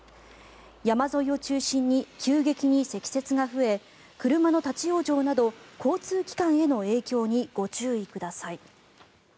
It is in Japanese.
山沿いを中心に急激に積雪が増え車の立ち往生など交通機関への影響にご注意ください。